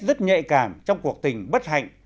rất nhạy cảm trong cuộc tình bất hạnh